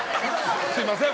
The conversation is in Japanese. すいません